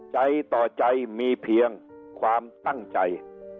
ใจต่อใจมีเพียงความตั้งใจ